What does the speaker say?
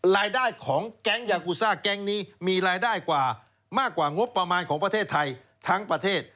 รายได้ของแก๊งยากูซ่าแก๊งนี้มีรายได้กว่ามากกว่างบประมาณของประเทศไทยทั้งประเทศ